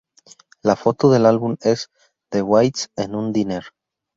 La foto del álbum es de Waits en un diner.